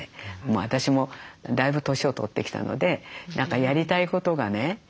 私もだいぶ年を取ってきたので何かやりたいことがね